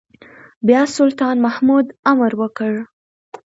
بيا سلطان محمود امر وکړ.